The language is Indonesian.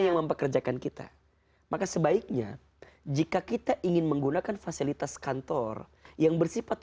yang mempekerjakan kita maka sebaiknya jika kita ingin menggunakan fasilitas kantor yang bersifat